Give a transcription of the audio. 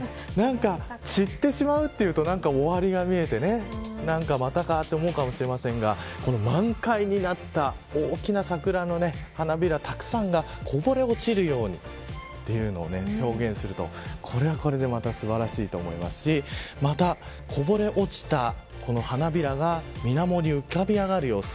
散ってしまうというと終わりが見えてまたかと思うかもしれませんが満開になった大きな桜の花びらたくさんがこぼれ落ちるように、というのを表現するとこれは、これでまた素晴らしいと思いますしまた、こぼれ落ちた花びらがみなもに浮かび上がる様子